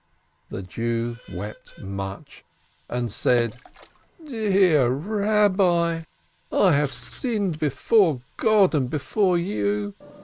The Jew wept much, and said: "Dear Eabbi, I have sinned before God and before you.